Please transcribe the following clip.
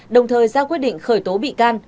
đồng thời ra quyết định khởi tố bị can